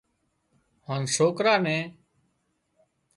هانَ سوڪرا نين